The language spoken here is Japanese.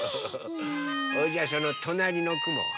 それじゃあそのとなりのくもは？